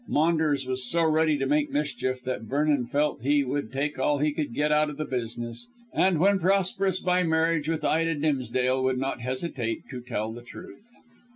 Maunders was so ready to make mischief that Vernon felt he would take all he could get out of the business, and when prosperous by marriage with Ida Dimsdale, would not hesitate to tell the truth.